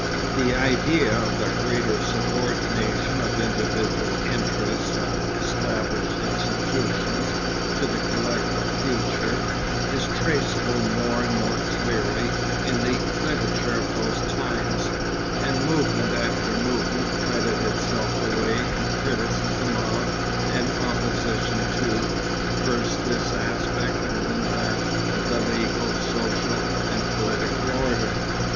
The idea of a greater subordination of individual interests and established institutions to the collective future, is traceable more and more clearly in the literature of those times, and movement after movement fretted itself away in criticism of and opposition to first this aspect and then that of the legal, social, and political order.